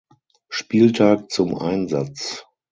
Spieltag zum Einsatz.